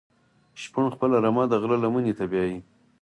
شپون خپله رمه د غره لمنی ته بیایی.